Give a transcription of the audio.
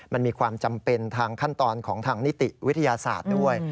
มันมีความจำเป็นทางขั้นตอนของทางนิติวิทยาศาสตร์ด้วย